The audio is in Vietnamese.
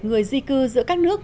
người di cư giữa các nước